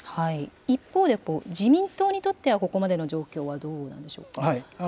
一方で、自民党にとっては、ここまでの状況はどうなんでしょうか。